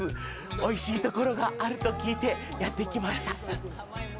おいしいところがあると聞いてやってきました。